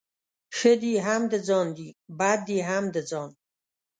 ښه دي هم د ځان دي ، بد دي هم د ځآن.